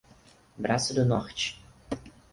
Braço do Norte